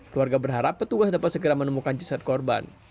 keluarga berharap petugas dapat segera menemukan jasad korban